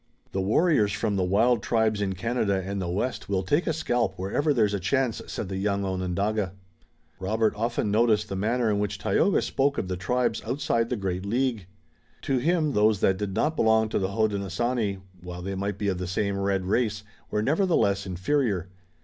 "The warriors from the wild tribes in Canada and the west will take a scalp wherever there's a chance," said the young Onondaga. Robert often noticed the manner in which Tayoga spoke of the tribes outside the great League. To him those that did not belong to the Hodenosaunee, while they might be of the same red race, were nevertheless inferior.